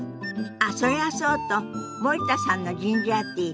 あっそりゃそうと森田さんのジンジャーティー